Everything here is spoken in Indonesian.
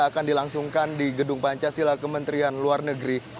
akan dilangsungkan di gedung pancasila kementerian luar negeri